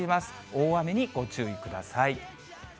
大雨にご注意ください。